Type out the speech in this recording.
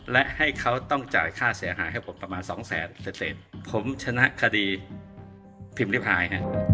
และให้เขาต้องจ่ายค่าเสียหายให้ผมประมาณสองแสนเศษผมชนะคดีพิมพิพาย